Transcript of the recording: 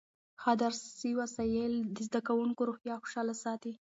ښه درسي وسایل د زده کوونکو روحیه خوشحاله ساتي.